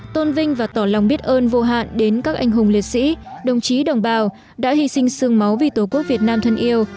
tôn vinh và tỏ lòng biết ơn vô hạn đến các anh hùng liệt sĩ đồng chí đồng bào đã hy sinh sương máu vì tổ quốc việt nam thân yêu